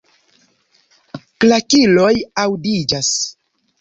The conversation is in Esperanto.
Klakiloj aŭdiĝas.